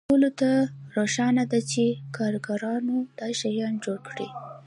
ټولو ته روښانه ده چې کارګرانو دا شیان جوړ کړي